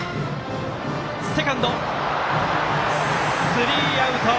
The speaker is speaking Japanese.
スリーアウト。